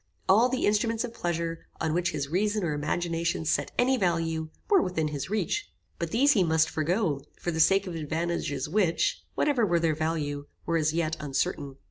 All the instruments of pleasure, on which his reason or imagination set any value, were within his reach. But these he must forego, for the sake of advantages which, whatever were their value, were as yet uncertain.